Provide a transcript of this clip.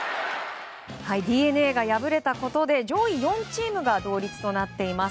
ＤｅＮＡが敗れたことで上位４チームが同率となっています。